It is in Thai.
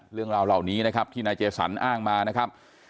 เรื่องราวเหล่านี้นะครับที่นายเจสันอ้างมานะครับ